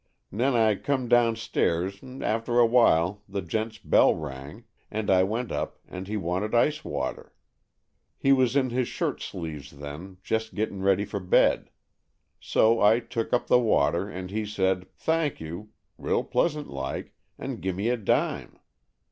'N'en I come downstairs, and after while the gent's bell rang, and I went up, and he wanted ice water. He was in his shirt sleeves then, jes' gittin' ready for bed. So I took up the water, and he said, 'Thank you,' real pleasant like, and gimme a dime.